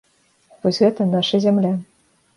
Вось гэта наша зямля.